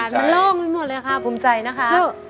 มันโล่งไปหมดเลยค่ะภูมิใจนะคะชื่อ